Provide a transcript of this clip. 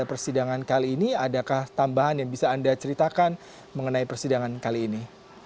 di persidangan kali ini adakah tambahan yang bisa anda ceritakan mengenai persidangan kali ini